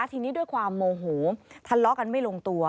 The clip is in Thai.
ทีนี้ด้วยความโมโหทะเลาะกันไม่ลงตัว